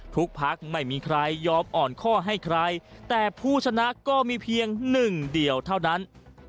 พักไม่มีใครยอมอ่อนข้อให้ใครแต่ผู้ชนะก็มีเพียงหนึ่งเดียวเท่านั้น